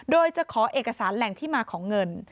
โดยจะขอเอกสารแหล่งที่มาของเงิน